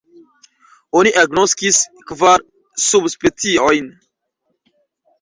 Oni agnoskis kvar subspeciojn.